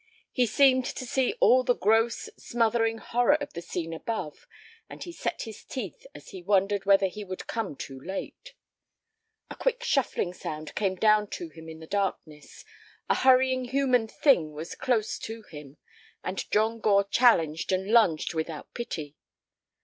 He seemed to see all the gross, smothering horror of the scene above, and he set his teeth as he wondered whether he would come too late. A quick shuffling sound came down to him in the darkness. A hurrying human thing was close to him, and John Gore challenged and lunged without pity.